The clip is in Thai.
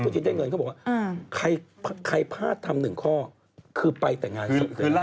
ปฏิเสธเงินเขาบอกว่าใครพลาดทำ๑ข้อคือไปแต่งงานสุด